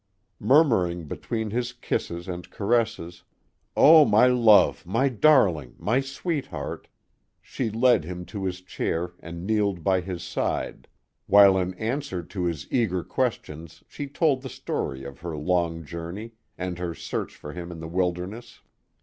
' Murmuring between his kisses and caresses, " Oh, my love, my darling, my sweetheart," she led him to his chair and kneeled by his side, while in answer to his eager questions she told the story of her long journey and her searcli for him in the wilder ness.